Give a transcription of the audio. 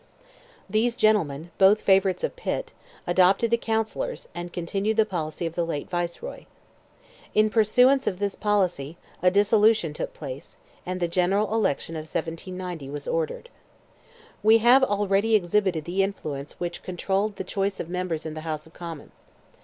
These gentlemen, both favourites of Pitt, adopted the counsellors, and continued the policy of the late Viceroy. In pursuance of this policy, a dissolution took place, and the general election of 1790 was ordered. We have already exhibited the influences which controlled the choice of members of the House of Commons.